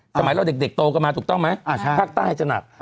สมัยเราเด็กโตกันมาถูกต้องไหมภาคใต้จะหนัก